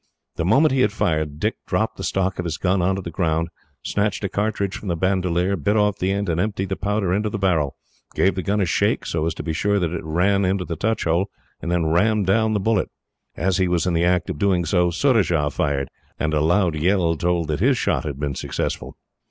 The moment he had fired, Dick dropped the stock of his gun on to the ground, snatched a cartridge from the bandolier, bit off the end, and emptied the powder into the barrel, gave the gun a shake, so as to be sure that it ran into the touch hole, and then rammed down the bullet. As he was in the act of doing so, Surajah fired, and a loud yell told that his shot had been successful.